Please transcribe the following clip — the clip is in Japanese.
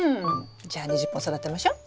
じゃあ２０本育てましょ！